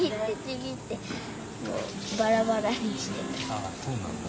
あっそうなんだ。